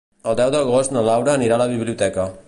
El deu d'agost na Laura anirà a la biblioteca.